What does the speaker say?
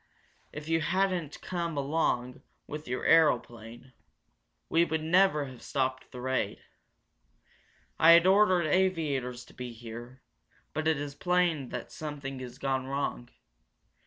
If you hadn't come along with your aeroplane, we would never have stopped the raid. I had ordered aviators to be here, but it is plain that something has gone wrong.